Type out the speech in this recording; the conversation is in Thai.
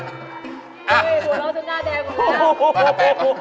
ที่เราจำน่าได้หรือไม่ได้